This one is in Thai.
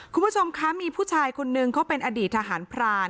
คุณผู้ชมคะมีผู้ชายคนนึงเขาเป็นอดีตทหารพราน